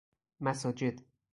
مساجد